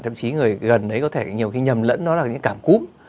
thậm chí người gần đấy có thể nhiều khi nhầm lẫn nó là những cảm cúm